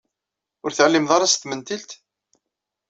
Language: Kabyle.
Ur teɛlimeḍ ara s tmentilt?